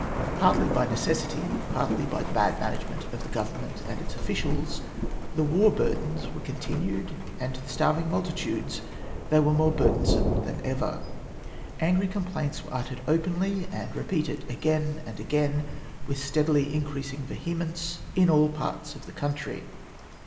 Partly by necessity, partly by the bad management of the Government and its officials, the war burdens were continued, and to the starving multitudes they were more burdensome than ever. Angry complaints were uttered openly, and repeated again and again with steadily increasing vehemence, in all parts of the country.